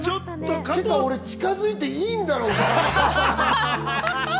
近づいていいんだろうか？